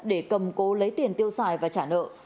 để cầm cố lấy tiền tiêu xài và trả nợ